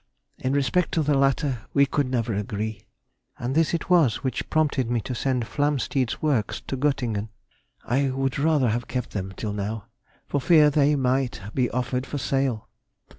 In respect to the latter we never could agree. And this it was which prompted me to send Flamsteed's works to Göttingen (I would rather have kept them till now) for fear they might be offered for sale.